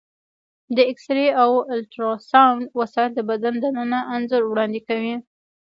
د ایکسرې او الټراساونډ وسایل د بدن دننه انځور وړاندې کوي.